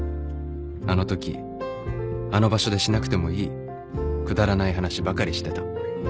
あのときあの場所でしなくてもいいくだらない話ばかりしてた